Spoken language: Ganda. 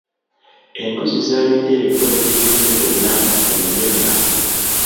Embuzi zaalidde ebikoola by'ebimera byonna mu nnimiro yange.